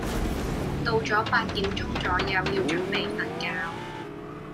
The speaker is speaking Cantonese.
到左八點鐘左右就要準備瞓覺